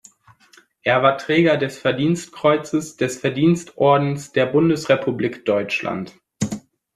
Er war Träger des Verdienstkreuzes des Verdienstordens der Bundesrepublik Deutschland.